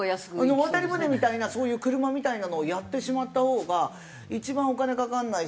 渡り船みたいなそういう車みたいなのをやってしまったほうが一番お金かからないし。